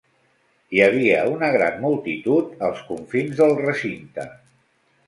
Hi havia una gran multitud als confins del recinte.